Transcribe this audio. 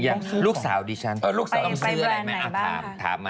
อย่างลูกสาวดิฉันลูกสาวต้องซื้ออะไรไหม